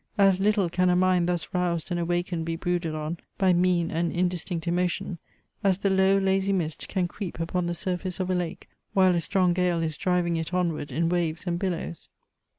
As little can a mind thus roused and awakened be brooded on by mean and indistinct emotion, as the low, lazy mist can creep upon the surface of a lake, while a strong gale is driving it onward in waves and billows.